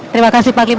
terima kasih pak limata